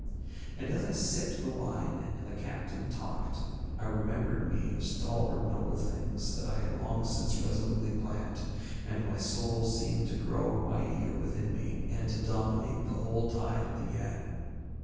And as I sipped the wine and the captain talked, I remembered me of stalwart noble things that I had long since resolutely planned, and my soul seemed to grow mightier within me and to dominate the whole tide of the Yann.